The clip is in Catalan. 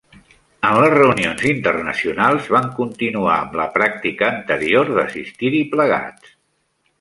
En les reunions internacionals, van continuar amb la pràctica anterior d'assistir-hi plegats.